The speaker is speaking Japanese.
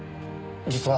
実は。